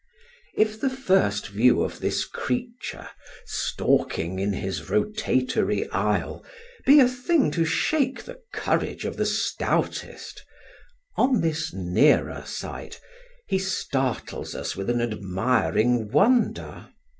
If the first view of this creature, stalking in his rotatory isle, be a thing to shake the courage of the stoutest, on this nearer sight, he startles us with an admiring wonder.